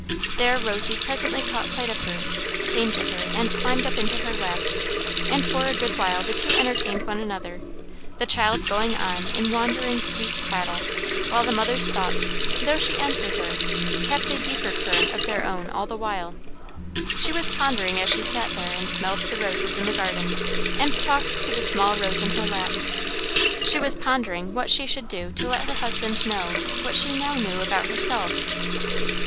There Rosy presently caught sight of her; came to her, and climbed up into her lap; and for a good while the two entertained one another; the child going on in wandering sweet prattle, while the mother's thoughts, though she answered her, kept a deeper current of their own all the while. She was pondering as she sat there and smelled the roses in the garden and talked to the small Rose in her lap, she was pondering what she should do to let her husband know what she now knew about herself.